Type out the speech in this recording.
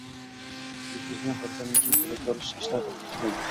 Yuz bergan hodisadan keyin suratga olish ishlari to‘xtatilgan